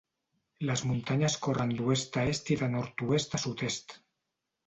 Les muntanyes corren d'oest a est i de nord-oest a sud-est.